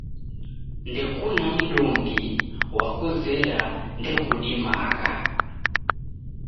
Ndekuna mndungi wakuzera ndekudimagha